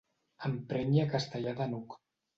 Emprenyi a Castellar de n'Hug.